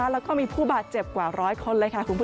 แล้วก็มีผู้บาดเจ็บกว่า๑๐๐คน